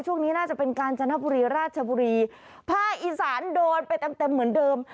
ช่วงนี้น่าจะเป็นกาญจนบุรีราชบุรีภาคอีสานโดนไปเต็มเต็มเหมือนเดิม